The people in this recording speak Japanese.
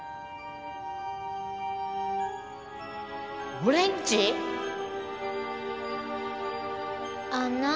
おれんち⁉あんな。